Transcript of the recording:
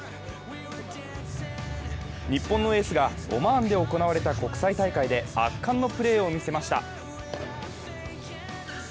日本のエースがオマーンで行われた国際大会で圧巻のプレーを見せました。